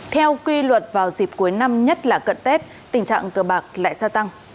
theo quy luật vào dịp cuối năm nhất là cận tết tình trạng cờ bạc lại gia tăng